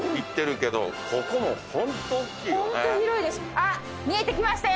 あっ見えてきましたよ